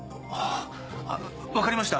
あわかりました。